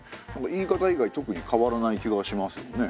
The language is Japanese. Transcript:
言い方以外特に変わらない気がしますよね。